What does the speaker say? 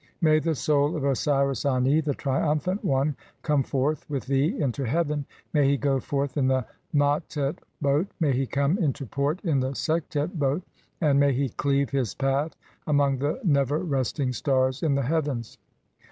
May the soul of Osiris Ani, "the triumphant one, come forth (5) with thee into heaven, may "he go forth in the Matet boat. May he come into port in the "Sektet boat, and may he cleave his path among the never (6) "resting stars in the heavens."